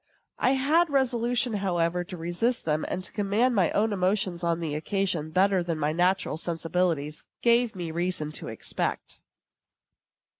I had resolution, however, to resist them, and to command my own emotions on the occasion better than my natural sensibility gave me reason to expect.